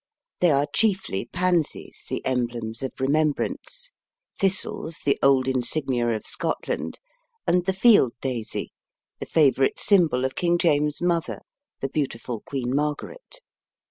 They are chiefly pansies, the emblems of remembrance; thistles, the old insignia of Scotland; and the field daisy, the favorite symbol of King James' mother, the beautiful Queen Margaret.